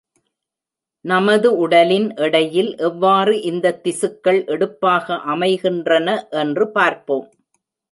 நமது உடலின் எடையில் எவ்வாறு இந்த திசுக்கள் எடுப்பாக அமைகின்றன என்று பார்ப்போம்.